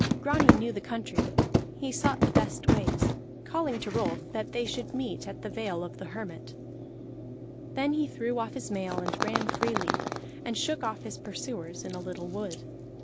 Grani knew the country; he sought the best ways, calling to Rolf that they should meet at the Vale of the Hermit. Then he threw off his mail and ran freely, and shook off his pursuers in a little wood.